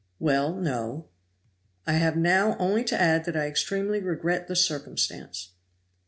"Well, no!" "I have now only to add that I extremely regret the circumstance."